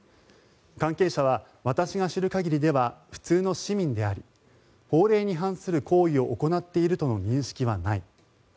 関係者は、私が知る限りでは普通の市民であり法令に反する行為を行っているとの認識はない。